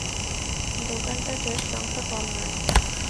দোকানটাটের সংখ্যা কম নয়।